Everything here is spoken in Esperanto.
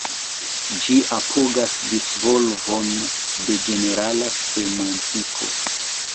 Ĝi apogas disvolvon de ĝenerala semantiko.